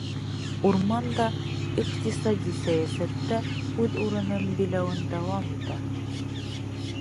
Урман да иҡтисади сәйәсәттә үҙ урынын биләүен дауам итә.